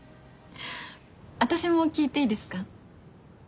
私も聞いていいですか？